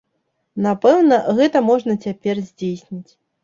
Напэўна, гэта можна цяпер здзейсніць.